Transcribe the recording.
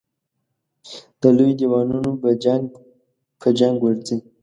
د لویو دېوانو په جنګ ورځي.